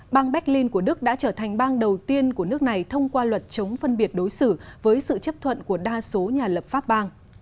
bang berlin của đức đã trở thành bang đầu tiên của nước này thông qua luật chống phân biệt đối xử với sự chấp thuận của đa số nhà lập pháp bang